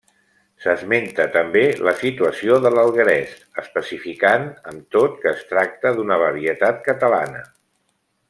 S'esmenta també la situació de l'alguerès, especificant amb tot que es tracta d'una varietat catalana.